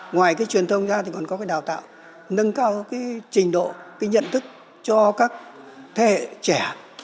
ngoài cái truyền thông ra thì còn có cái đào tạo nâng cao cái trình độ cái nhận thức cho các thế hệ trẻ